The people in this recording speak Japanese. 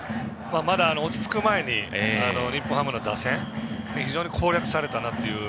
まだ落ち着く前に日本ハムの打線が非常に攻略されたなという。